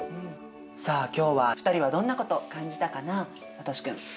さあ今日は２人はどんなことを感じたかなさとしくん？